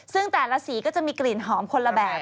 ซึ่งแต่ละสีก็จะมีกลิ่นหอมคนละแบบ